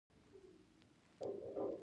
په عمل کې یاد قوانین داسې تفسیرېږي.